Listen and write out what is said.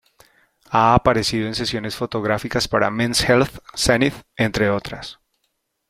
Ha aparecido en sesiones fotográficas para "Men's Health", "Zenith", entre otras.